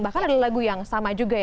bahkan ada lagu yang sama juga ya